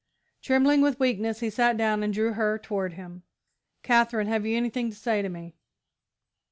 Trembling with weakness, he sat down and drew her toward him. "Katherine, have you anything to say to me?"